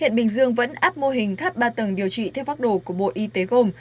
hiện bình dương vẫn áp mô hình tháp ba tầng điều trị theo pháp đồ của bộ y tế gồm